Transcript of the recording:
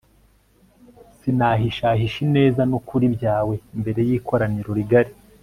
sinahishahisha ineza n'ukuri byawe imbere y'ikoraniro rigari